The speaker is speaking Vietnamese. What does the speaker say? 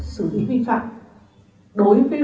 và đối với lệnh liên quan đến đồng bộ cồn này